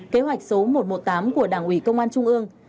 kế hoạch số một trăm một mươi tám của đảng ủy công an trung ương